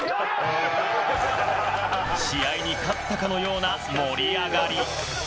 試合に勝ったかのような盛り上がり。